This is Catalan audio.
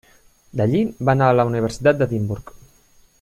D'allí, va anar a la Universitat d'Edimburg.